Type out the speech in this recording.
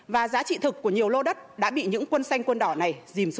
và giá trị thực của nhiều lô đất đã bị những quân xanh quân đỏ này